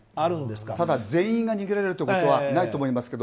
ただ全員が逃げられることはないと思います。